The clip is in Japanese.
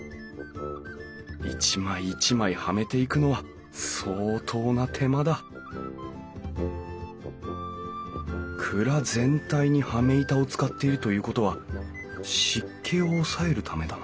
一枚一枚はめていくのは相当な手間だ蔵全体に羽目板を使っているということは湿気を抑えるためだ